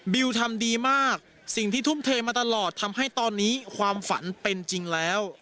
ทำดีมากสิ่งที่ทุ่มเทมาตลอดทำให้ตอนนี้ความฝันเป็นจริงแล้ว